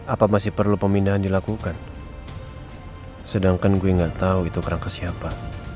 apa masih perlu pemindahan dilakukan sedangkan gue nggak tahu itu kerangka siapa